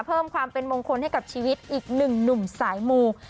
เพิ่มความเป็นมงคลให้กับชีวิตอีกหนึ่งหนุ่มสายมู